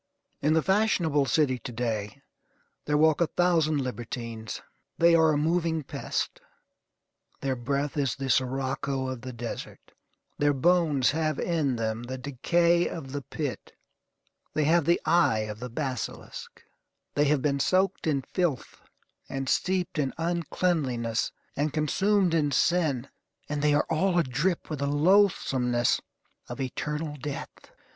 In the fashionable city to day there walk a thousand libertines. They are a moving pest. Their breath is the sirocco of the desert. Their bones have in them the decay of the pit. They have the eye of a basilisk. They have been soaked in filth, and steeped in uncleanliness, and consumed in sin, and they are all adrip with the loathsomeness of eternal death.